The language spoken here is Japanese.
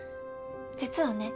実はね